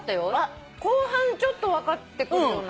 後半ちょっと分かってくるような。